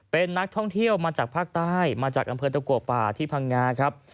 ป่าที่พังงา